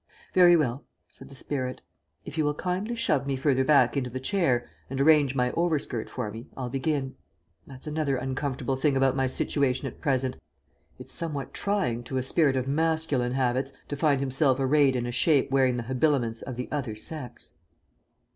"Very well," said the spirit. "If you will kindly shove me further back into the chair, and arrange my overskirt for me, I'll begin that's another uncomfortable thing about my situation at present. It's somewhat trying to a spirit of masculine habits to find himself arrayed in a shape wearing the habiliments of the other sex."